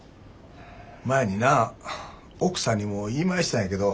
前にな奥さんにも言いましたんやけど。